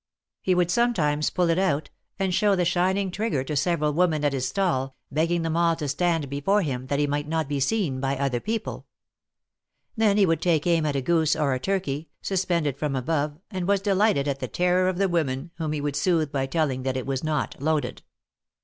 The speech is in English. He would sometimes pull it out, and show the shining trigger to several women at his stall, begging them all to stand before him, that he might not be seen by other people. Then he would take aim at a goose or a turkey, suspended from above, and was delighted at the terror of the women, whom he would soothe by telling that it was not loaded.